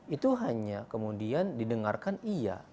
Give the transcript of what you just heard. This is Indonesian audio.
itu hanya kemudian didengarkan iya